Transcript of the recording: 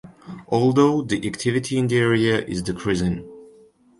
Although the activity in the area is decreasing.